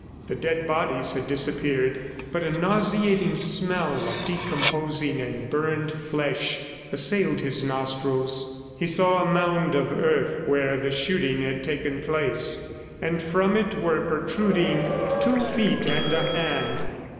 The dead bodies had disappeared, but a nauseating smell of decomposing and burned flesh assailed his nostrils. He saw a mound of earth where the shooting had taken place, and from it were protruding two feet and a hand.